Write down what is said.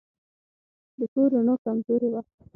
د کور رڼا کمزورې وه.